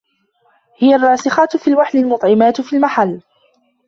هِيَ الرَّاسِخَاتُ فِي الْوَحْلِ الْمَطْعِمَاتُ فِي الْمَحَلِّ